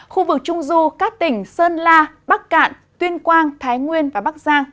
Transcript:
khu vực trung du các tỉnh sơn la bắc cạn tuyên quang thái nguyên và bắc giang